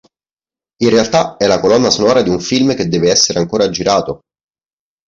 In realtà è la colonna sonora di un film che deve essere ancora girato!